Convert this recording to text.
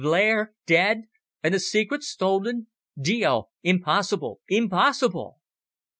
"Blair dead and the secret stolen! Dio! impossible impossible!"